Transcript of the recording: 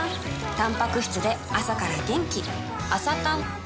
たんぱく質で朝から元気